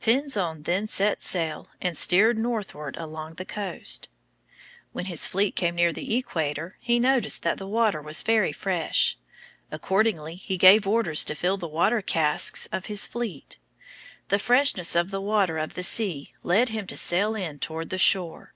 Pinzon then set sail and steered northward along the coast. When his fleet came near the equator, he noticed that the water was very fresh. Accordingly he gave orders to fill the water casks of his fleet. The freshness of the water of the sea led him to sail in toward the shore.